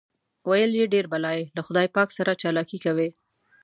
ویل یې ډېر بلا یې له خدای پاک سره چالاکي کوي.